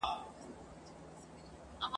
چي مي یاد نه هغه ناز سي نه تمکین